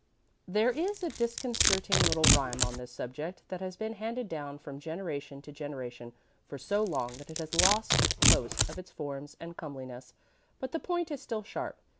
There is a disconcerting little rhyme on this subject that has been handed down from generation to generation for so long that it has lost most of its form and comeliness; but the point is still sharp.